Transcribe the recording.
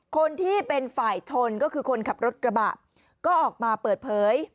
คนที่เป็นฝ่ายชนก็คือคนขับรถกระบะก็ออกมาเปิดเผย